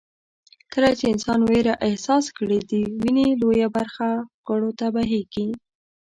کله چې انسان وېره احساس کړي د وينې لويه برخه غړو ته بهېږي.